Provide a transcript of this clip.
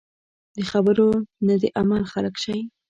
د خبرو نه د عمل خلک شئ .